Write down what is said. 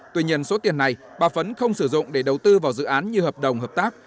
tuy nhiên số tiền này bà phấn không sử dụng để đầu tư vào dự án như hợp đồng hợp tác